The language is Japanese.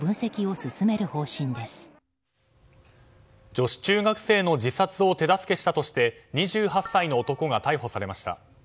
女子中学生の自殺を手助けしたとして２８歳の男が逮捕されました。